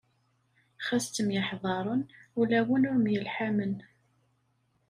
Xas ttemyeḥḍaṛen, ulawen ur myelḥamen.